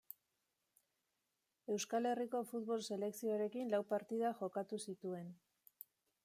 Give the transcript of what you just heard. Euskal Herriko futbol selekzioarekin lau partida jokatu zituen.